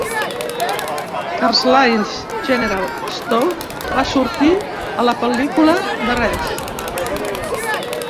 Carlisle General Store va sortir a la pel·lícula The Ref.